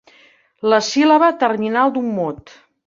La síl·laba terminal d'un mot.